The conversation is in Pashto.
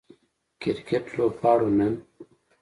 کرکټ لوبغاړو نن